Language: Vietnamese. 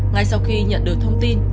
ngay sau khi nhận được thông tin